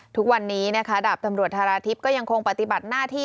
ทุกวันนี้นะคะดาบตำรวจธาราทิพย์ก็ยังคงปฏิบัติหน้าที่